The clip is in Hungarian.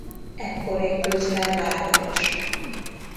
Ekkor épült fel vára is.